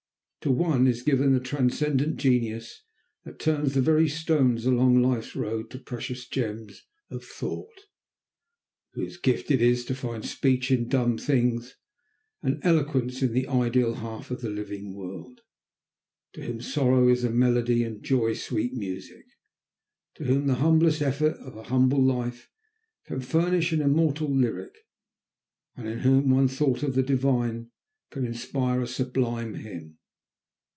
To one is given the transcendent genius that turns the very stones along life's road to precious gems of thought; whose gift it is to find speech in dumb things and eloquence in the ideal half of the living world; to whom sorrow is a melody and joy sweet music; to whom the humblest effort of a humble life can furnish an immortal lyric, and in whom one thought of the Divine can inspire a sublime hymn.